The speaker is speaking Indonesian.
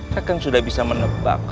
kakang sudah bisa menebak